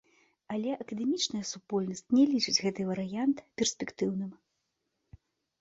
Але акадэмічная супольнасць не лічыць гэты варыянт перспектыўным.